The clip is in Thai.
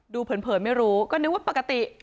ดูเผิดไม่รู้ค่ะเคยในว่าปกติ